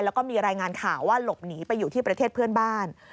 แล้วก็มีรายงานข่าวว่าหลบหนีไปอยู่ที่ประเทศเพื่อนบ้าน